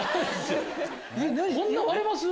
こんな割れます？